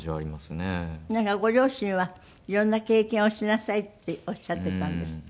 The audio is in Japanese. なんかご両親はいろんな経験をしなさいっておっしゃってたんですって？